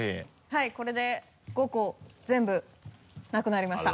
はいこれで５個全部なくなりました。